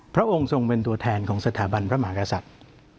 พระองค์ทรงเป็นตัวแทนของสถาบันพระมหากษัตริย์